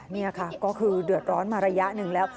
นี่ค่ะก็คือเดือดร้อนมาระยะหนึ่งแล้ว